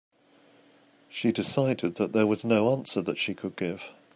She decided that there was no answer that she could give.